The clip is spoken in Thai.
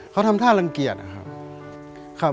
เขาทำท่ารังเกียจนะครับ